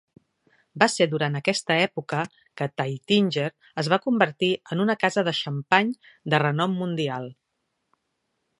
Va ser durant aquesta època que Taittinger es va convertir en una casa de xampany de renom mundial.